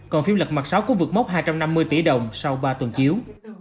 còn phim lật mặt sáu cũng vượt mốc hai trăm năm mươi tỷ đồng sau ba tuần chiếu